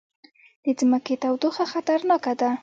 د ځمکې تودوخه خطرناکه ده